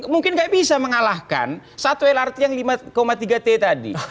mungkin nggak bisa mengalahkan satu lrt yang lima tiga t tadi